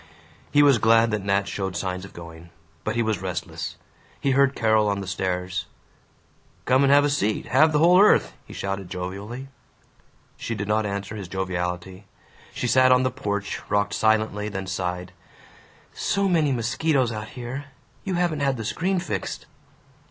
He was glad that Nat showed signs of going. But he was restless. He heard Carol on the stairs. "Come have a seat have the whole earth!" he shouted jovially. She did not answer his joviality. She sat on the porch, rocked silently, then sighed, "So many mosquitos out here. You haven't had the screen fixed."